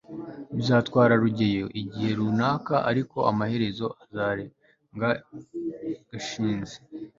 bizatwara rugeyo igihe runaka, ariko amaherezo azarenga gashinzi